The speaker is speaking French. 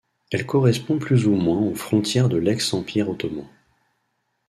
Elle correspond plus ou moins aux frontières de l'ex-Empire ottoman.